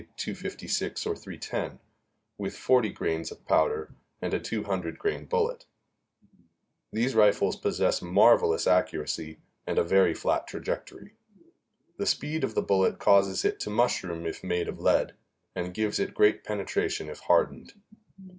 256 or .310, with 40 grains of powder and a 200 grain bullet. These rifles possess marvelous accuracy and a very flat trajectory. The speed of the bullet causes it to mushroom if made of lead, and gives it great penetration if hardened.